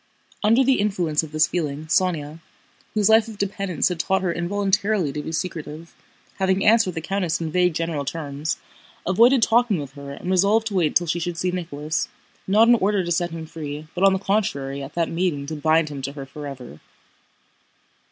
Under the influence of this feeling Sónya, whose life of dependence had taught her involuntarily to be secretive, having answered the countess in vague general terms, avoided talking with her and resolved to wait till she should see Nicholas, not in order to set him free but on the contrary at that meeting to bind him to her forever.